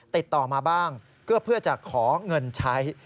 ติดต่อมาบ้างเพื่อจะขอเงินใช้